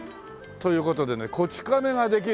という事でね『こち亀』ができる。